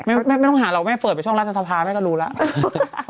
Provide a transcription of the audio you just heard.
ไม่ต้องหาหรอกแม่เปิดไปช่องรัฐสภาแม่ก็รู้แล้ว